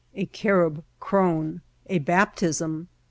— A Carib Orone.— A Baptism.